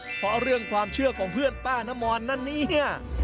เพราะเรื่องความเชื่อของเพื่อนป้านมรนั้นเนี่ย